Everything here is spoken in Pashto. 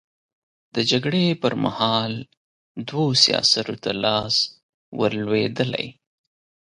د جګړې پر مهال دوو سياسرو ته لاس ور لوېدلی.